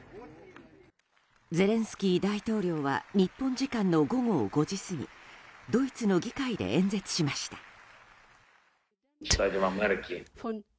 ゼレンスキー大統領は日本時間の午後５時過ぎドイツの議会で演説しました。